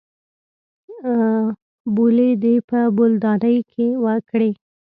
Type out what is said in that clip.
بولې دې په بولدانۍ کښې وکړې.